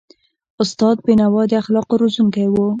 استاد بینوا د اخلاقو روزونکی و.